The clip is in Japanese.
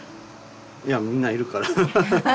みんないるから。